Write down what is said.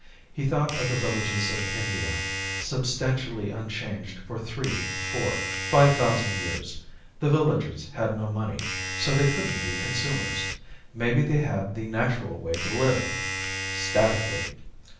He thought of the villages of India, substantially unchanged for three, four, five thousand years. The villagers had no money, so they couldn't be consumers. Maybe they had the natural way to live. Statically.